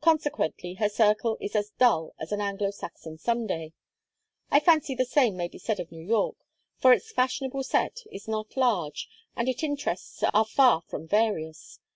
Consequently, her circle is as dull as an Anglo Saxon Sunday. I fancy the same may be said of New York, for its fashionable set is not large and its interests are far from various.